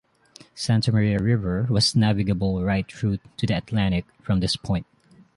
Santa Maria River was navigable right through to the Atlantic from this point.